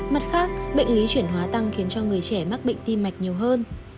mặt khác bệnh lý chuyển hóa tăng khiến cho người trẻ mắc bệnh tim mạch nhiều hơn